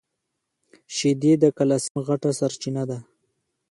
شیدې د کلیسم غټه سرچینه ده.